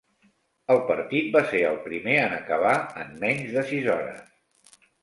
El partit va ser el primer en acabar en menys de sis hores.